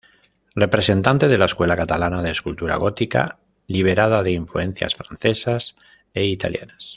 Representante de la escuela catalana de escultura gótica liberada de influencias francesas e italianas.